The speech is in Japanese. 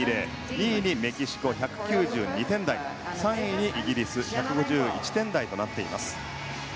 ２位にメキシコ１９２点台３位にイギリス１５１点台となっています。